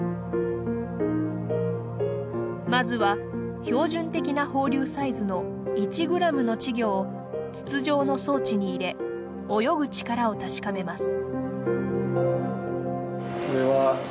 まずは標準的な放流サイズの１グラムの稚魚を筒状の装置に入れ泳ぐ力を確かめます。